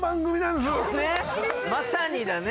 まさにだね